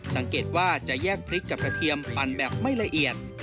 สังเกตว่าจะแยกพริกกับกระเทียมปั่นแบบไม่ละเอียด